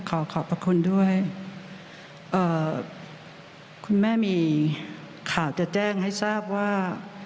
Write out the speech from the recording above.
ขอขอบพระคุณด้วยคุณแม่มีข่าวจะแจ้งให้ทราบว่า